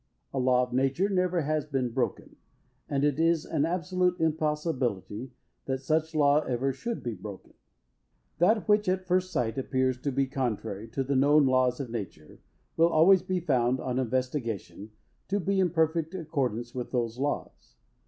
A law of nature never has been broken. And it is an absolute impossibility that such law ever should be broken. That which, at first sight, appears to be contrary to the known laws of nature, will always be found, on investigation, to be in perfect accordance with those laws.